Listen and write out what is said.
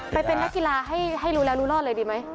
ไปเป็นน่ากีฬาให้รู้แล้วตลอดเลยหรือไม่